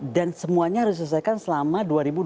dan semuanya harus diselesaikan selama dua ribu dua puluh empat